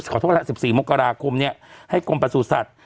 ขอโทษนะสิบสี่โมกราคมเนี้ยให้กรมประสุทธิ์สัตว์